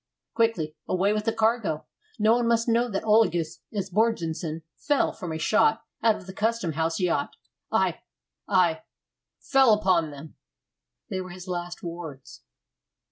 "Quickly away with the cargo! No one must know that Olagus Esbjörnsson fell from a shot out of the Custom house yacht. I I fell upon them." They were his last words.